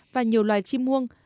và nhiều loài chim muông